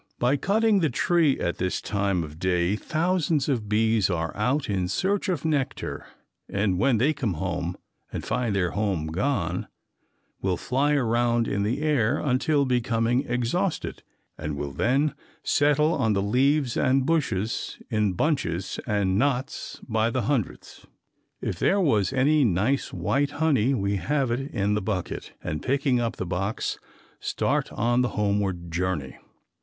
By cutting the tree at this time of day thousands of bees are out in search of nectar and when they come home and find their home gone, will fly around in the air until becoming exhausted, and will then settle on the leaves and bushes in bunches and knots by the hundreds. If there was any nice white honey we have it in the bucket and picking up the box start on the homeward journey.